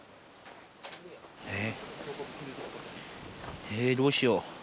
えどうしよ。